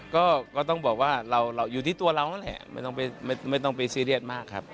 ก็ต้องบอกว่าเราอยู่ที่ตัวเรานั่นแหละไม่ต้องไปซีเรียสมากครับ